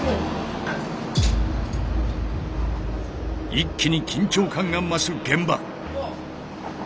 一気に緊張感が増す現場。